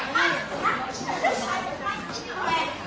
โง่ย